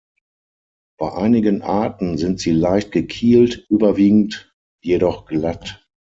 Bei einigen Arten sind sie leicht gekielt, überwiegend jedoch glatt.